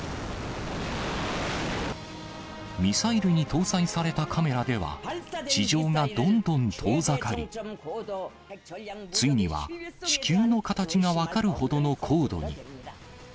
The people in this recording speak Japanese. ミサイルに搭載されたカメラには、地上がどんどん遠ざかり、ついには、地球の形が分かるほどの高度に。